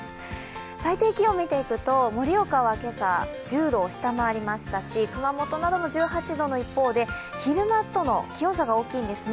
最低気温を見ていくと、盛岡は今朝１０度を下回りましたし熊本などの１８度の一方で、昼間との気温差が大きいんですね。